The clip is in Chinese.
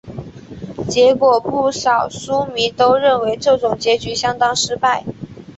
结果不少书迷都认为这种结局相当失败。